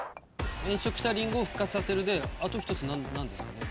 「変色したリンゴを復活させる」であと１つ何ですかね？